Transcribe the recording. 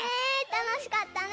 たのしかったね。